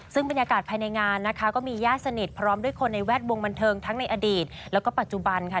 ซึ่งบรรยากาศภายในงานนะคะก็มีญาติสนิทพร้อมด้วยคนในแวดวงบันเทิงทั้งในอดีตแล้วก็ปัจจุบันค่ะ